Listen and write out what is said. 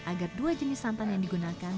agar dua jenis santan yang digunakan